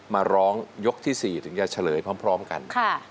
มาร้องยกที่๔ถึงจะเฉลยพร้อมกัน